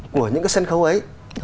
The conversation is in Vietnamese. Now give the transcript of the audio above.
của những cái sân khấu ấy